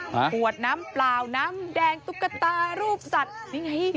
หวาดน้ำปลาวน้ำแดงตไดรกลตารูปจัดนี่ไง